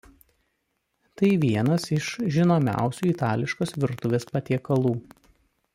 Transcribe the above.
Tai vienas iš žinomiausių itališkos virtuvės patiekalų.